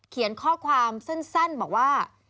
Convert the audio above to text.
เขียนข้อความสั้นบอกว่า